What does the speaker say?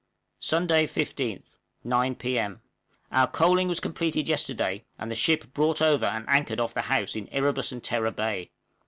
Sunday, 15th, 9 P.M. Our coaling was completed yesterday, and the ship brought over and anchored off the house in Erebus and Terror Bay.